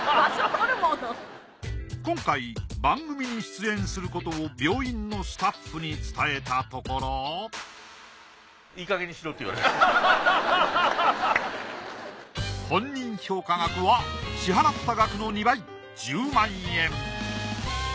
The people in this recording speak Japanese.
今回番組に出演することを病院のスタッフに伝えたところ本人評価額は支払った額の２倍１０万円。